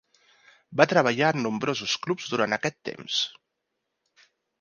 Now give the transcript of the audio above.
Va treballar en nombrosos clubs durant aquest temps.